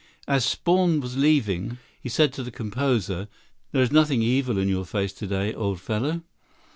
As Spaun was leaving, he said to the composer, "There is nothing evil in your face to day, old fellow."